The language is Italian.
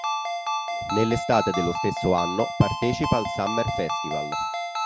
Nell'estate dello stesso anno partecipa al Summer Festival.